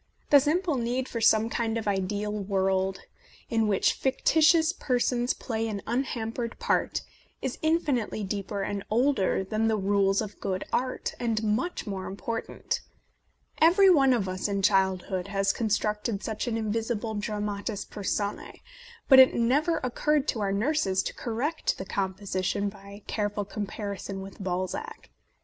The simple need for some kind of ideal world in which fictitious per sons play an unhampered part is infinitely deeper and older than the rules of good art, and much more important. Every one of us in childhood has constructed such an invisible dramatis personcv, but it never oc curred to our nurses to correct the compo sition by careful comparison with Balzac.